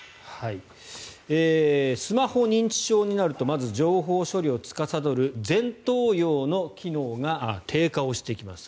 スマホ認知症になるとまず情報処理をつかさどる前頭葉の機能が低下をしていきます。